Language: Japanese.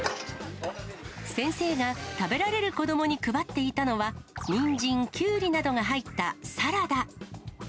先生が食べられる子どもに配っていたのは、にんじん、きゅうりなどが入ったサラダ。